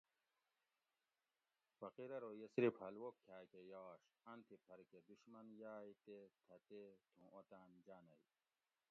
فقیر ارو یہ صرف حلوہ کھاۤکہ یاش ان تھی پھر کہۤ دُشمن یاگ تے تھہ تے تھُوں اوطاۤن جاۤنگ